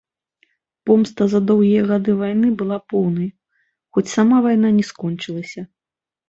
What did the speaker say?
Помста за доўгія гады вайны была поўнай, хоць сама вайна не скончылася.